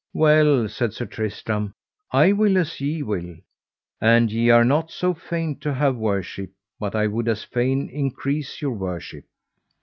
Well, said Sir Tristram, I will as ye will, and ye are not so fain to have worship but I would as fain increase your worship.